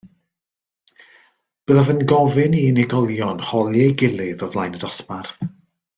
Byddaf yn gofyn i unigolion holi ei gilydd o flaen y dosbarth.